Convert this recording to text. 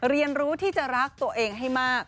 เรียนรู้ที่จะรักตัวเองให้มาก